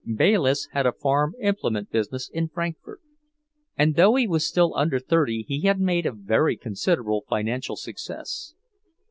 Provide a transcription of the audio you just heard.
Bayliss had a farm implement business in Frankfort, and though he was still under thirty he had made a very considerable financial success.